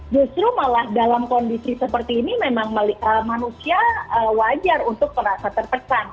justru malah dalam kondisi seperti ini memang manusia wajar untuk merasa terpesan